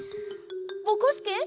ぼこすけ？